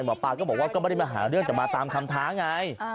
หมอปลาก็บอกว่าก็ไม่ได้มาหาเรื่องแต่มาตามคำท้าไง